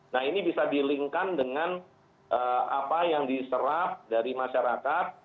nah ini bisa di link kan dengan apa yang diserap dari masyarakat